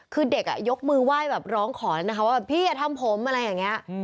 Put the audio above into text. คือเด็กยกมือไหว้แบบร้องขอนะครับว่าพี่อย่าทำผมอะไรแบบนี้